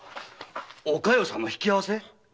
お加代さんの引き合わせ？